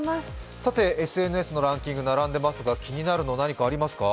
ＳＮＳのランキング並んでますが気になるの何かありますか？